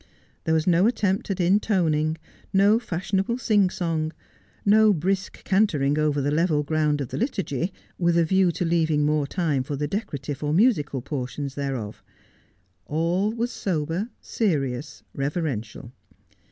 There was no attempt at intoning, no fashionable sing song, no brisk cantering over the level ground of the liturgy, with a view to leaving more time for the decora tive or musical portions thereof. All was sober, serious, reverential.